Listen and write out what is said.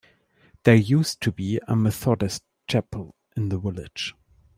There used to be a Methodist Chapel in the village.